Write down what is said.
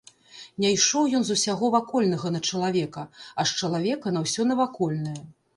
Не ішоў ён з усяго вакольнага на чалавека, а з чалавека на ўсё навакольнае.